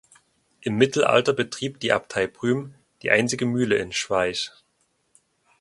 Im Mittelalter betrieb die Abtei Prüm die einzige Mühle in Schweich.